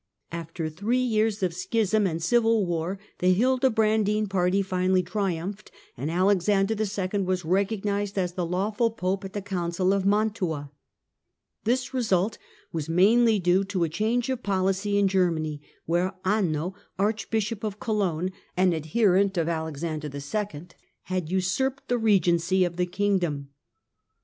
After three years of schism and civil war, the Hildebrandine party finally triumphed, and Alexander II. was recognized as the lawful Pope at the Council of Mantua. This result was mainly due to a change of policy in Germany, where Anno, Archbisho}) of Cologne, an adherent of Alexander II., had usurped the regency of the kingdom.